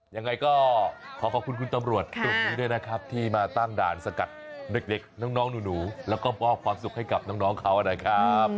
ยังไงก็ขอขอบคุณคุณตำรวจกลุ่มนี้ด้วยนะครับที่มาตั้งด่านสกัดเด็กน้องหนูแล้วก็มอบความสุขให้กับน้องเขานะครับ